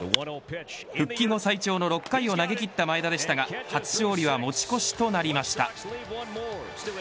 復帰後最長の６回を投げきった前田でしたが初勝利は持ち越しとなりました。